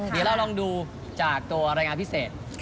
เดี๋ยวเราลองดูจากตัวรายงานพิเศษ